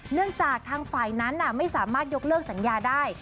เนื่องจากทางฝ่ายนั้นไม่สามารถยกเลิกสัญญาได้